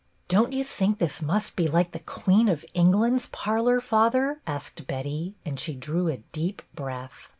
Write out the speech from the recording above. " Don't you think this must be like the Queen of England's parlor, father.?" asked Betty ; and she drew a deep breath.